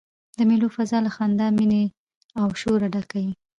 د مېلو فضاء له خندا، میني او شوره ډکه يي.